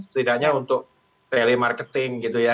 setidaknya untuk telemarketing gitu ya